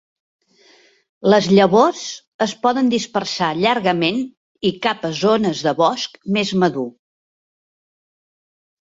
Les llavors es poden dispersar llargament i cap a zones de bosc més madur.